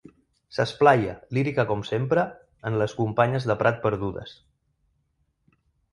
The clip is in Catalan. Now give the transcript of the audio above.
S'esplaia, lírica com sempre, en les companyes de prat perdudes.